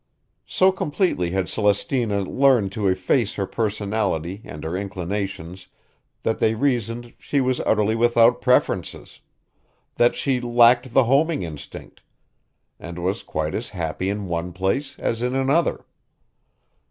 So completely had Celestina learned to efface her personality and her inclinations that they reasoned she was utterly without preferences; that she lacked the homing instinct; and was quite as happy in one place as in another.